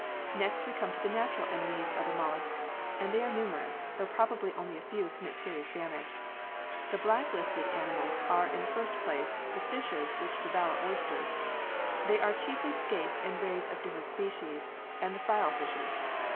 Next we come to the natural enemies of the mollusc, and they are numerous, though probably only a few commit serious damage. The " black listed" animals are in the first place the fishes which devour oysters. They are chiefly skates and rays of different species, and the file fishes.